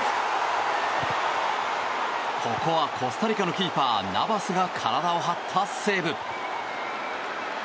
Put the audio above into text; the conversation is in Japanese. ここはコスタリカのキーパーナバスが体を張ったセーブ。